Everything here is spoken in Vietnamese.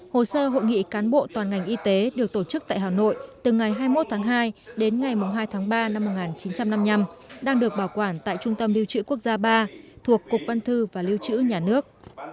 hồ sơ hội nghị cán bộ toàn ngành y tế được tổ chức tại hà nội từ ngày hai mươi một tháng hai đến ngày hai tháng ba năm một nghìn chín trăm năm mươi năm đang được bảo quản tại trung tâm lưu trữ quốc gia ba thuộc cục văn thư và lưu trữ nhà nước